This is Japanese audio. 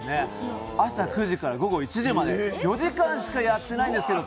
朝９時から午後１時まで４時間しかやっていないんですけど